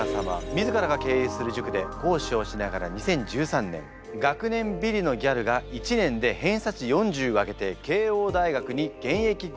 自らが経営する塾で講師をしながら２０１３年「学年ビリのギャルが１年で偏差値を４０上げて慶應大学に現役合格した話」